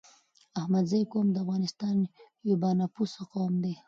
احمدزی قوم دي افغانستان يو با نفوسه قوم دی